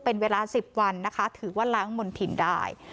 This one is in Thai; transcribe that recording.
เป็นเวลา๑๐วันนะคะถือว่าล้างมณฑินได้